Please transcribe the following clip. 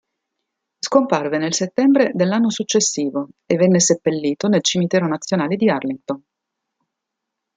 Scomparve nel settembre dell'anno successivo e venne seppellito nel cimitero nazionale di Arlington.